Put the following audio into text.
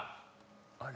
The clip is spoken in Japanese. あれ？